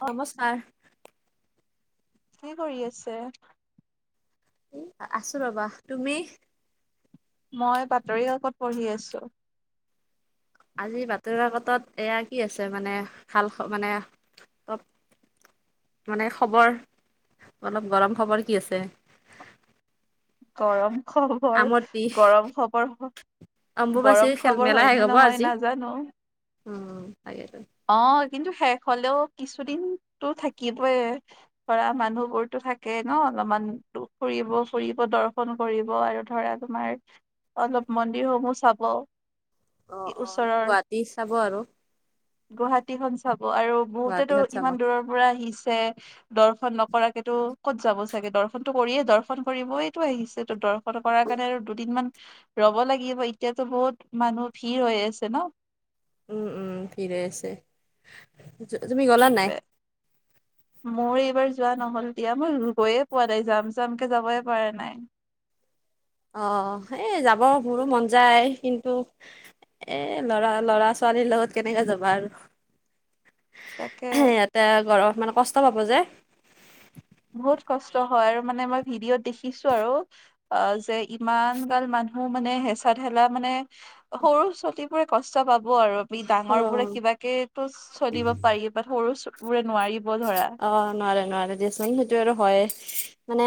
নমস্কাৰ। কি কৰি আছে? এ আছো ৰ'বা। তুমি? মই বাতৰিকাকত পঢ়ি আছোঁ। আজি বাতৰি কাকতত এয়া কি আছে মানে ভাল খবৰ? মানে খবৰ, অলপ গৰম খবৰ কি আছে? গৰম খবৰ, আমৰ বিষ গৰম খবৰ গৰম অম্বুবাচীৰ খেল, খবৰ মেলা শেষ হয়নে হ'ব নহয় আজি। নাজানো। উম তাকে। অ' কিন্তু শেষ হ'লেও কিছুদিনতো থাকিবই। ধৰা মানুহবোৰতো থাকে ন অলপমান? ত' ফুৰিব ফুৰিব, দৰ্শন কৰিব আৰু ধৰা তোমাৰ অলপ মন্দিৰসমূহ চাব। অ' অ' ওচৰৰ গুৱাহাটী চাব আৰু। গুৱাহাটীখন চাব আৰু বহুতেতো গুৱাহাটীহত চাব ইমান দূৰৰ পৰা আহিছে। ছে দৰ্শন নকৰাকেতো ক'ত যাব চাগে! দৰ্শনটো কৰিয়ে, দৰ্শন কৰিবয়েতো আহিছে। ত' দৰ্শন কৰাৰ কাৰণে আৰু দুদিনমান ৰ'ব লাগিব। এতিয়াতো বহুত মানুহ ভিৰ হৈ আছে ন? উম উম। ফিৰাই আছে। তু- তুমি গ'লা নাই সেইটোৱে, মোৰ এইবাৰ যোৱা নহ'ল দিয়া। মই গৈয়ে পোৱা নাই, যাম যামকে যাবই পৰা নাই। অ' এই যাব মোৰো মন যায়। কিন্তু এ ল'ৰা ল'ৰা-ছোৱালীৰ লগত কেনেকে যাবা আৰু! তাকে ইয়াতে গৰমত মানে কষ্ট পাব যে। বহুত কষ্ট হয় আৰু মানে মই ভিডিঅ'ত দেখিছো আৰু, অ' যে ইমানগাল মানুহ মানুহ মানে হেঁচা-ঠেলা মানে, সৰু ছতীবোৰে কষ্ট পাব আৰু। ই ডাঙৰ অ', বোৰে কিবাকেইটো চলিব পাৰি বা সৰুবোৰে অ নাৱাৰে নোৱাৰে দেছি [unintelligible] সেটো আৰু হয় মানে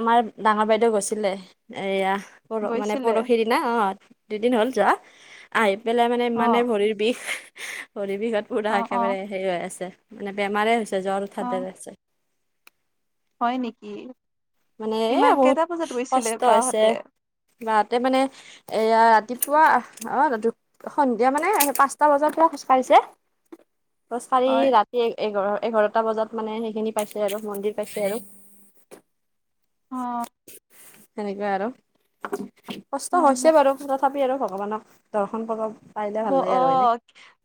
আমাৰ ডাঙৰ বাইদেউ গৈছিলে এয়া। পৰ মানে গৈছিলে পৰহি দিনা অ দুদিন হল যোৱা আহি [unintelligible] বোলে মানে অ ইমানে ভৰিৰ বিষ। শৰ বিঘত পুৰা অ অ একেবাৰে হেৰি হৈ আছে মানে বেমাৰে হৈছে জ্বৰ অ উঠাৰে আছে [unintelligible] হয় নেকি মানে এ কিমান বহুত কেইটা বজাত গৈছিলে কষ্ট হৈছে বাহঁতে বা তাতে মানে এয়া [unintelligible] ৰাতিপুৱা আহ সন্ধিয়া মানে পাঁচটা বজাত পৰা খোজকাঢ়িছে। পছ কি হয় ৰাতি এঘাৰ [unintelligible] এঘাৰটা বজাত মানে সেইখিনি পাইছে আৰু মন্দিৰ পাইছে আৰু অ সেনেকুৱাই আৰু কষ্ট হয় হৈছে হয় বাৰু তথাপি আৰু ভগৱানক দৰ্শন কৰক অ অ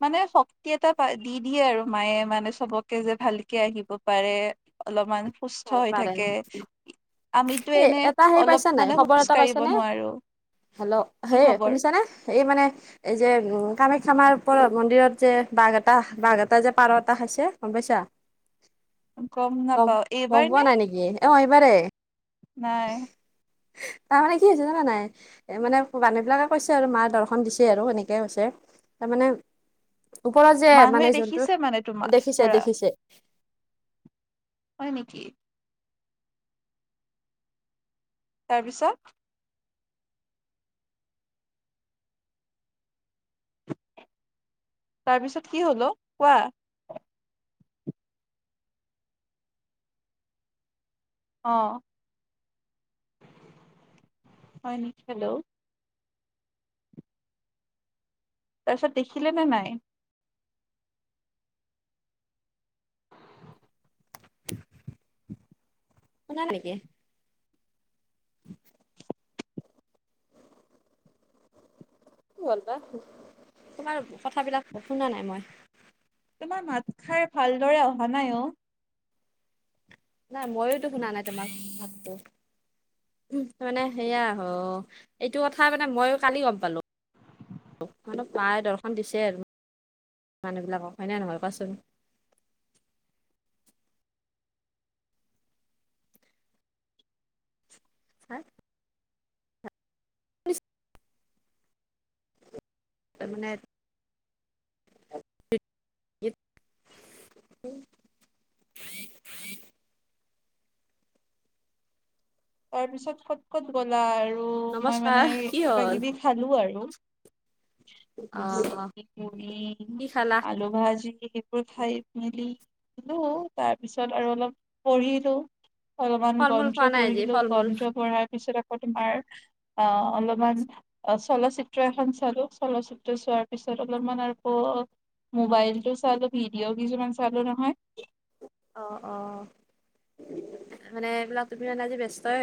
মানে শক্তি এটা পাই দি দিয়ে আৰু মায়ে মানে চবকে যে ভালকে আহিব পাৰে অলপমান সুস্থ হৈ পাৰে থাকে আমিতো এ এনে এটা হেৰি অলপ পাইছা নাই মানে খবৰ খোজ এটা কাঢ়িব পাইছানে? নোৱাৰো হেল্ল' কি হেই খবৰ শুনিছানে এই মানে যে উ কামাখ্যামাৰ ওপৰত মন্দিৰত যে বাঘ এটা বাঘ এটা যে পাৰ এটাছে গম পাইছা। গম নাপাও গম এইবাৰ পোৱা নে নাই নেকি অ আহিবাৰে। নাই হয় তাৰমানানে কি হৈছে জানা নাই মানে মানুহ বিলাকে কৈছে আৰু মাৰ দৰ্শন দিছে আৰু সেনেকে কৈছে। তাৰ মানে ওপৰত যে মানুহে মানে যোনটো দেখিছে মানে তোমাক দেখিছে ধৰা দেখিছে [unintelligible] হয় নেকি তাৰ পিছত তাৰপিছত কি হ'ল কোৱা [unintelligible] আহ হয় নেকি হেল্ল'। তাৰপিছত দেখিলে নে নাই নালাগে [unintelligible] কি হ'ল বা তোমাৰ কথাবিলাক শুনা নাই মই [unintelligible] তমাৰ ভাত খাই ভালদৰে অহা নাই অ [unintelligible] নাই মইয়োতো শুনা নাই তোমাক মাততো। উ মানে সেয়া আহ এইটো কথা মানে মইও কালি গম পালো মানে প্ৰায় দৰ্শন দিছে আৰু মানুহবিলাকক হয়নে নহয় কোৱাচোন হয় [unintelligible] তাৰমানে [inaudible] [inaudible] তাৰ পিছত ক'ত ক'ত গলা আৰু মই নমস্কাৰ মানে কি কিবা হ'ল কিবি খালো আৰু অ অ [unintelligible] কি খালা আলু ভাজি খাই মেলি তাৰপিছত আৰু অলপ পঢ়িলো অলপমান ফল মূল গন্ধ খোৱা নাই আজি পঢ়িলো ফল মূল গন্ধ পঢ়াৰ পিছত আকৌ তোমাৰ আহ অলপমান চলচিত্ৰ এখন চালো চলচিত্ৰ চোৱাৰ পিছত অলপমান আকৌ মোবাইলটো চালো ভিডিঅ' কিছুমান চালো নহয় অ অ মানে এইবিলাক তুমি মানে আজি ব্যস্তই